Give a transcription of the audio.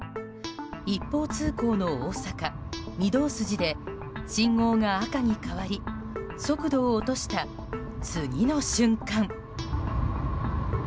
一方通行の大阪・御堂筋で信号が赤に変わり速度を落とした次の瞬間。